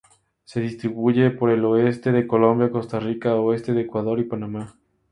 Se distribuye por el oeste de Colombia, Costa Rica, oeste de Ecuador y Panamá.